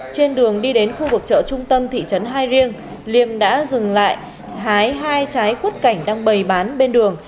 trên đường đi đến khu vực chợ trung tâm thị trấn hai riêng liêm đã dừng lại hái hai trái quất cảnh đang bày bán bên đường